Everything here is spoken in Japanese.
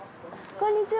こんにちは。